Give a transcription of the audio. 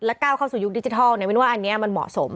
ก้าวเข้าสู่ยุคดิจิทัลวินว่าอันนี้มันเหมาะสม